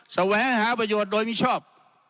แสวงหาประโยชน์โดยมิชอบ